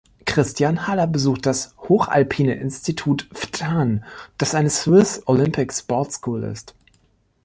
Christian Haller besucht das Hochalpine Institut Ftan, das eine Swiss Olympic Sport School ist.